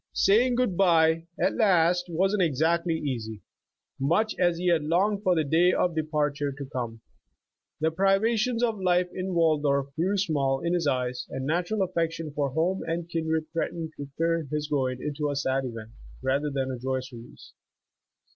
Saying good bye, at last, wasn't exactly easy, much as he had longed for the day of departure to come. The privations of life in Waldorf grew small 36 Leaving Home in his eyes, and natural affection for home and kin dred threatened to turn his going into a sad event, rather than a joyous release.